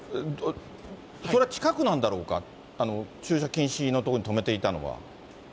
それは近くなんだろうか、駐車禁止の所に止めていたのは。